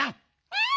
うん！